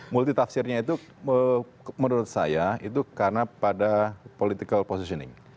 multi tafsirnya itu menurut saya itu karena pada political positioning